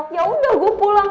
ya udah gue pulang